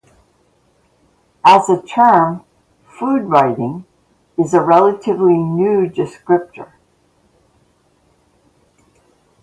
As a term, "food writing" is a relatively new descriptor.